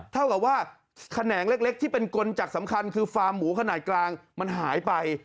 เท่ากับว่าแขนงเล็กที่เป็นกลจักรสำคัญคือฟาร์มหมูขนาดกลางมันหายไป